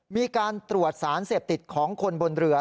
มีการตรวจสารเสพติดของคนบนเรือ